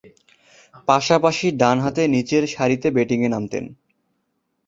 পাশাপাশি ডানহাতে নিচের সারিতে ব্যাটিংয়ে নামতেন।